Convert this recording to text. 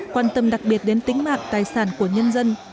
quan tâm đặc biệt đến tính mạng tài sản của nhân dân